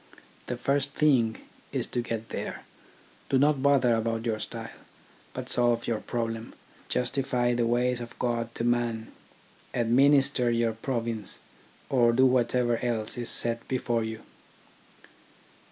The first thing is to get there. Do not bother about your style, but solve your problem, justify the ways of God to man, administer your province, or do whatever else is set before you.